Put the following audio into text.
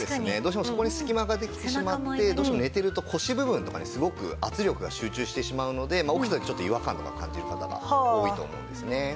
どうしてもそこに隙間ができてしまって寝ていると腰部分とかにすごく圧力が集中してしまうので起きた時にちょっと違和感とか感じる方が多いと思うんですね。